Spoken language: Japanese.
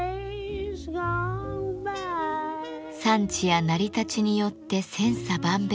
産地や成り立ちによって千差万別。